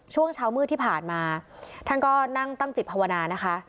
ช่วงเช้ามืดที่ผ่านมาท่านก็นั่งตั้งจิตภาวนานะคะ